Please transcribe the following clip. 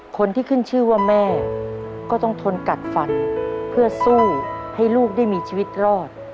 คนที่ขึ้นชื่อว่าแม่ก็ต้องทนกัดฟันเพื่อสู้ให้ลูกได้มีชีวิตรอด